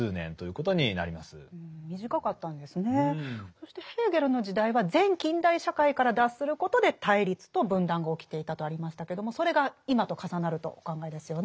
そしてヘーゲルの時代は前近代社会から脱することで対立と分断が起きていたとありましたけどもそれが今と重なるとお考えですよね。